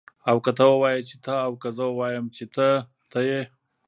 او که ته ووايي چې ته او که زه ووایم چه ته يې